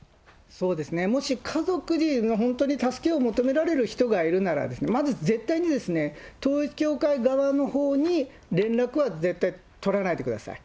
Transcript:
そうですね、もし家族に本当に助けを求められる人がいるなら、まず絶対に統一教会側のほうに連絡は絶対、取らないでください。